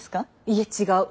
いえ違う。